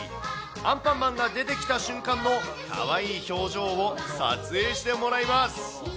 アンパンマンが出てきた瞬間のかわいい表情を撮影してもらいます。